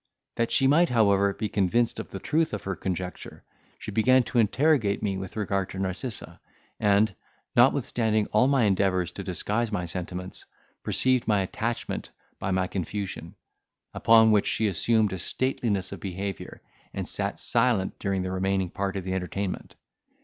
That she might, however, be convinced of the truth of her conjecture, she began to interrogate me with regard to Narcissa, and, notwithstanding all my endeavours to disguise my sentiments, perceived my attachment by my confusion: upon which, she assumed a stateliness of behaviour, and sat silent during the remaining part of the entertainment.